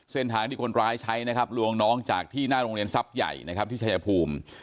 เส้นทางที่คนร้ายใช้นะครับลวงน้องจากที่หน้าโรงเรียนทรัพย์ใหญ่นะครับที่ชายภูมิ